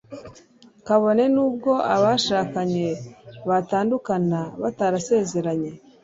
kabone n'ubwo abashakanye batandukana batarasezeranye